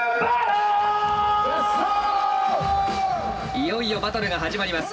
いよいよバトルが始まります。